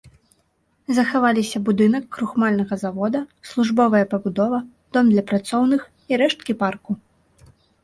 Захаваліся будынак крухмальнага завода, службовая пабудова, дом для працоўных і рэшткі парку.